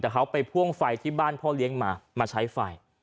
แต่เขาไปพ่วงไฟที่บ้านพ่อเลี้ยงมามาใช้ไฟ